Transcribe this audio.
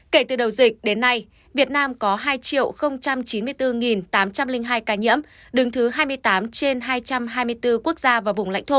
kể từ đầu dịch đến nay việt nam có hai chín mươi bốn tám trăm linh hai ca nhiễm đứng thứ hai mươi tám trên hai trăm hai mươi bốn quốc gia và vùng lãnh thổ